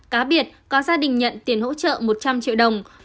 cá biệt có gia đình nhận tiền hỗ trợ một trăm linh triệu đồng